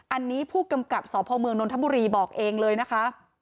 อันนี้ผู้กำกับสพเมืองนนทบุรีบอกเองเลยนะคะ